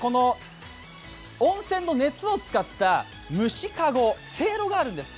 温泉の熱を使った蒸しかご、せいろがあるんです。